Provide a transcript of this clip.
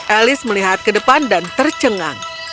elis melihat ke depan dan tercengang